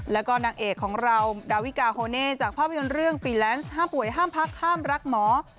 แล้วก็นางเอกของเราดาวิกาโฮเน่จากภาพยนตร์เรื่องฟรีแลนซ์ห้ามป่วยห้ามพักห้ามรักหมอ